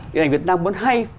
điện ảnh việt nam vẫn hay